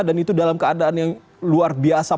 dan itu dalam keadaan yang luar biasa